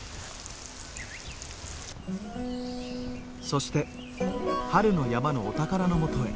そして春の山のお宝のもとへ。